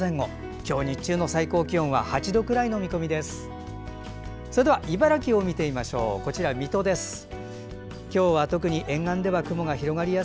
今日日中の最高気温は８度くらいの見込みです。